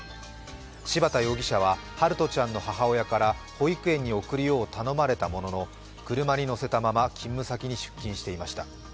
柴田容疑者は陽翔ちゃんの母親から保育園に送るよう頼まれたものの車に乗せたまま勤務先に出勤していました。